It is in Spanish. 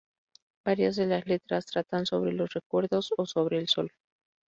Varias de las letras tratan sobre los recuerdos o sobre el sol.